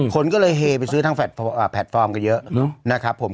คนก็เลยเฮไปซื้อทางแพลตฟอร์มกันเยอะนะครับผม